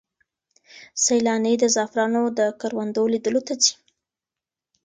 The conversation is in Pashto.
سیلانۍ د زعفرانو د کروندو لیدلو ته ځي.